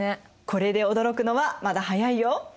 これで驚くのはまだ早いよ。